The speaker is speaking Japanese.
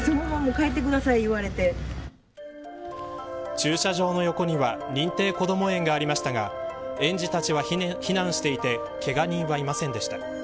駐車場の横には認定こども園がありましたが園児たちは避難していてけが人はいませんでした。